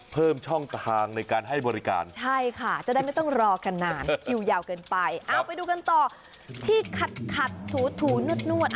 ไปดูกันต่อที่ขัดถูนวด